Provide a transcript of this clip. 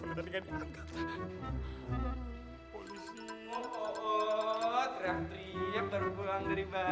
oh oh oh kreatif terpulang dari bandung